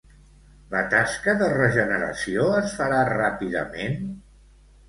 La tasca de regeneració es farà ràpidament?